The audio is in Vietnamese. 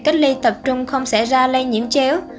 cách ly tập trung không xảy ra lây nhiễm chéo